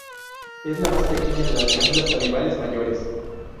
Es la más pequeña de las glándulas salivales mayores.